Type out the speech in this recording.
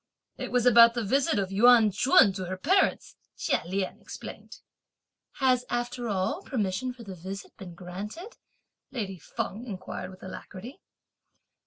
"It was about the visit (of Yuan Ch'un) to her parents," Chia Lien explained. "Has after all permission for the visit been granted?" lady Feng inquired with alacrity.